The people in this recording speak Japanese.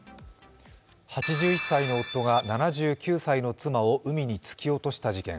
８１歳の夫が７９歳の妻を海に突き落とした事件。